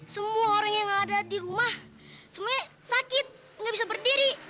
semua orang yang ada di rumah semuanya sakit nggak bisa berdiri